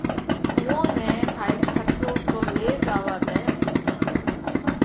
اُوئون نئہ هائي کٿو تو لي زاوا ۮئہ۔